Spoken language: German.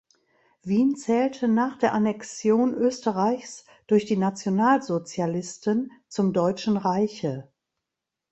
Wien zählte nach der Annexion Österreichs durch die Nationalsozialisten zum Deutschen Reiche.